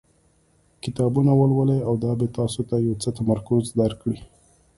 کتابونه ولولئ او دا به تاسو ته یو څه تمرکز درکړي.